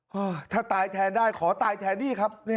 ถ้าตายแทนได้ขอตายแทนนี่ครับ